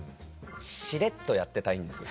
しれっとやってたいんですよ。